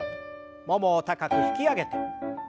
ももを高く引き上げて。